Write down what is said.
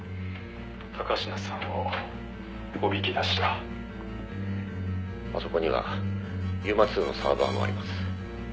「高階さんをおびき出した」「あそこにはＵＭＡ−Ⅱのサーバーもあります」